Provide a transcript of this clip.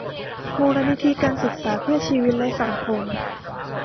มูลนิธิการศึกษาเพื่อชีวิตและสังคม